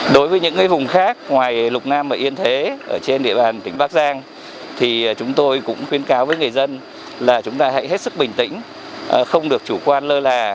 đối với những vùng khác ngoài lục nam và yên thế trên địa bàn tỉnh bắc giang thì chúng tôi cũng khuyên cáo với người dân là chúng ta hãy hết sức bình tĩnh không được chủ quan lơ là